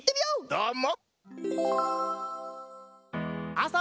どーも！